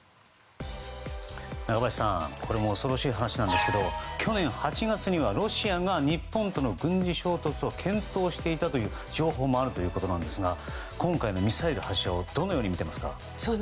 中林さんこれも恐ろしい話なんですけど去年８月にはロシアが日本との軍事衝突を検討していたという情報もあるということなんですが今回のミサイル発射をどのように見てますか？